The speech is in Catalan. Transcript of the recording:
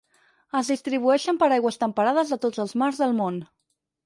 Es distribueixen per aigües temperades de tots els mars del món.